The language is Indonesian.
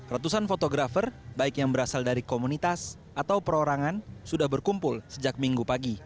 ratusan fotografer baik yang berasal dari komunitas atau perorangan sudah berkumpul sejak minggu pagi